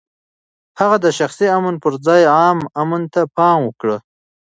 هغه د شخصي امن پر ځای عام امن ته پام وکړ.